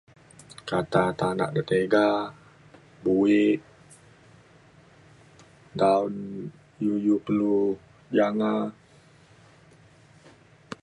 Kata tanak de tiga buek dan iu iu perlu jana.